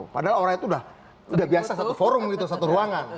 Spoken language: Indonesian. padahal orang itu sudah biasa satu forum gitu satu ruangan